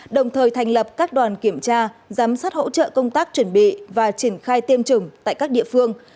đồng thời thành lập các đoàn kiểm tra giám sát hỗ trợ công tác chuẩn bị và triển khai tiêm chủng tại các địa phương